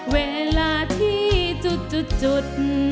เวลาที่จุด